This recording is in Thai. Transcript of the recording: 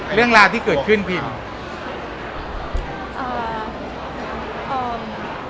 เรื่องราวที่เกิดขึ้นพิมพ์